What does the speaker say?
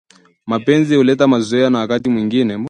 mapenzi huleta mazoea na wakati mwengine